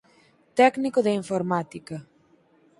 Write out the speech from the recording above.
Técnico de Informática.